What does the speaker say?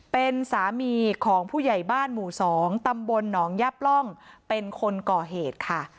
เป็นสามีของผู้ใหญ่บ้านหมู่๒ตำบลหนองย่าปล่องเป็นคนก่อเหตุค่ะ